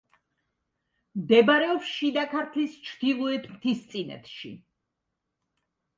მდებარეობს შიდა ქართლის ჩრდილოეთ მთისწინეთში.